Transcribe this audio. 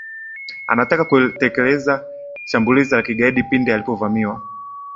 anataka kutekeleza shambulizi la kigaidi pindi alipovamiwa